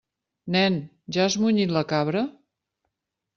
Nen, ja has munyit la cabra?